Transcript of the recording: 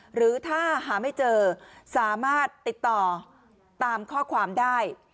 หรือถ้าหาไม่เจอสามารถติดต่อตามข้อความได้